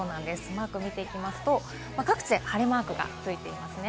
マーク見ていきますと、各地で晴れマークがついていますね。